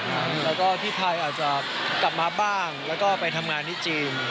แล้วก็พี่ไทยอาจจะกลับมาบ้างแล้วก็ไปทำงานที่จีน